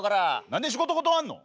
何で仕事断んの！？